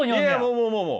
もうもうもうもう。